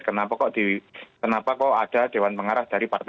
kenapa kok ada dewan pengarah dari pariwisata